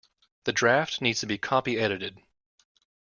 The draft needs to be copy edited